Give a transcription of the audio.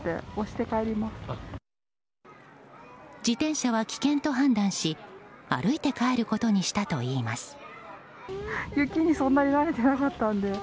自転車は危険と判断し歩いて帰ることにしたといいます。